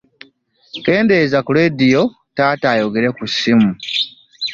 Kendeeza ku leediyo taata ayogera ku ssimu.